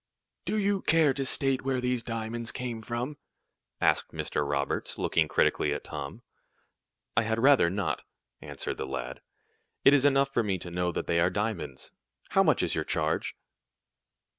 "Do you care to state where these diamonds came from?" asked Mr. Roberts, looking critically at Tom. "I had rather not," answered the lad. "It is enough for me to know that they are diamonds. How much is your charge?"